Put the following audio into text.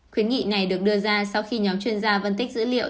khuyến nghị này được đưa ra sau khi nhóm chuyên gia phân tích dữ liệu